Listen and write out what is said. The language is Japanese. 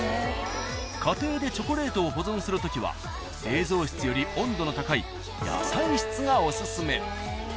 ［家庭でチョコレートを保存するときは冷蔵室より温度の高い野菜室がお薦め］